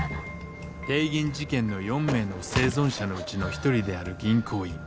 帝銀事件の４名の生存者のうちの一人である銀行員